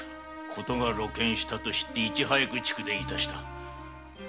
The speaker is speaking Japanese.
事が露見したと知って逸早く逐電致した